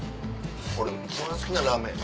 これ一番好きなラーメン。